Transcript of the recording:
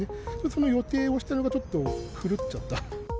その予定をしてたのが、ちょっと狂っちゃった。